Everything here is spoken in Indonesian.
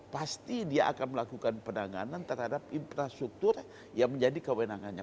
pasti dia akan melakukan penanganan terhadap infrastruktur yang menjadi kewenangannya